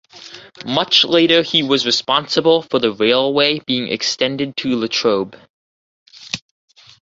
Much later he was responsible for the railway being extended to Latrobe.